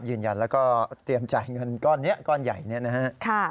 ยืนยันแล้วก็เตรียมจ่ายเงินก้อนใหญ่นะครับ